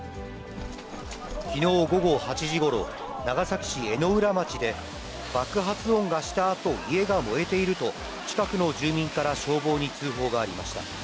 きのう午後８時ごろ、長崎市江の浦町で、爆発音がしたあと家が燃えていると、近くの住民から消防に通報がありました。